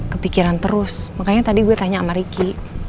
kepikiran terus makanya tadi gue tanya sama ricky